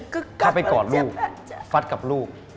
ก็เข้าไปกอดลูกฟัดกับลูก